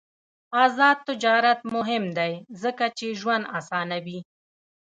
آزاد تجارت مهم دی ځکه چې ژوند اسانوي.